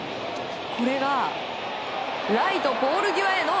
これがライトポール際への